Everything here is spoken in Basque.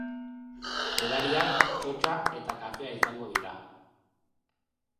Edariak, txotxa eta kafea izango dira.